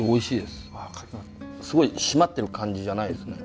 すごい締まってる感じじゃないですね？